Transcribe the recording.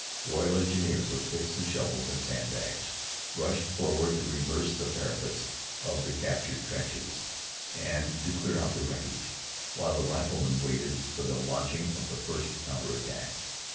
Royal Engineers, with picks and shovels and sandbags, rushed forward to reverse the parapets of the captured trenches, and to clear out the wreckage, while the riflemen waited for the launching of the first counter attack.